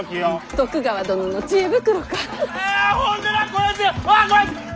徳川殿の知恵袋か。